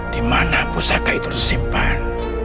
di mana pusaka itu disimpan